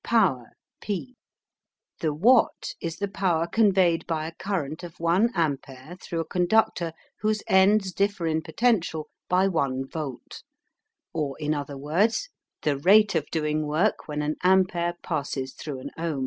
POWER P. The Watt is the power conveyed by a current of one ampere through a conductor whose ends differ in potential by one volt, or, in other words, the rate of doing work when an ampere passes through an ohm.